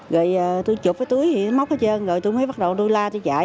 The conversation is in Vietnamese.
rồi tôi chụp cái túi móc hết trơn rồi tôi mới bắt đầu đu la chạy